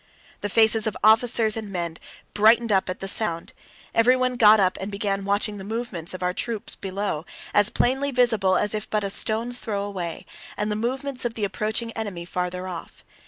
The faces of officers and men brightened up at the sound. Everyone got up and began watching the movements of our troops below, as plainly visible as if but a stone's throw away, and the movements of the approaching enemy farther off.